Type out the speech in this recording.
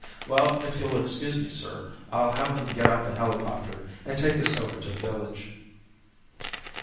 Well, if you'll excuse me, sir, I'll have them get out the helicopter and take us over to the village."